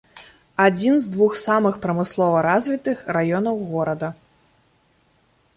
Адзін з двух самых прамыслова развітых раёнаў горада.